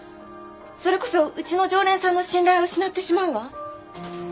それこそうちの常連さんの信頼を失ってしまうわ。